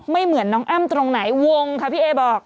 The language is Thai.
เหมือนน้องอ้ำตรงไหนวงค่ะพี่เอบอก